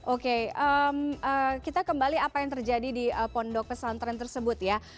oke kita kembali apa yang terjadi di pondok pesantren tersebut ya